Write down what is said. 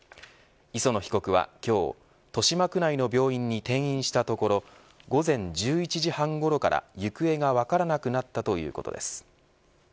磯野被告は今日豊島区内の病院に転院したところ午前１１時半ごろから行方が分からなくなったということです。